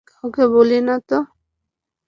কাউকে বলবি না-তো?